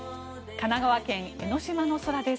神奈川県・江の島の空です。